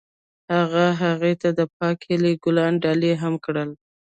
هغه هغې ته د پاک هیلې ګلان ډالۍ هم کړل.